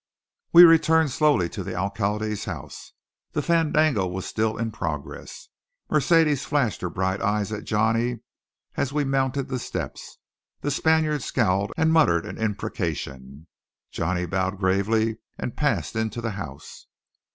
We returned slowly to the alcalde's house. The fandango was still in progress. Mercedes flashed her bright eyes at Johnny as we mounted the steps; the Spaniard scowled and muttered an imprecation. Johnny bowed gravely and passed into the house.